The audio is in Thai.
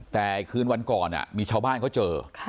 แต่คืนวันก่อนมีชาวบ้านเขาเจอ